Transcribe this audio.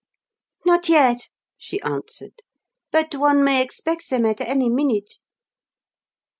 "Not yet," she answered. "But one may expect them at any minute."